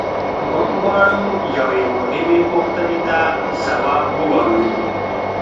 موږ غواړو یوې مهمې پوښتنې ته ځواب ووایو.